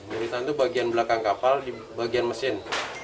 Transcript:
muritan itu bagian belakang kapal di bagian mesin